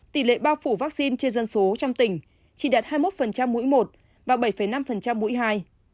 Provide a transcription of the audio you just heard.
tỷ lệ bao phủ vaccine trên dân số trong tỉnh chỉ đạt hai mươi một mũi một và bảy năm mũi hai